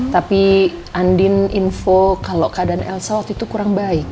tapi andin info kalau keadaan elsa waktu itu kurang baik